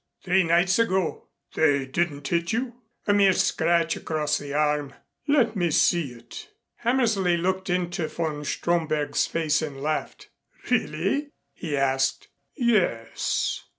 "Three nights ago." "They didn't hit you " "A mere scratch across the arm " "Let me see it." Hammersley looked into von Stromberg's face and laughed. "Really?" he asked. "Yes."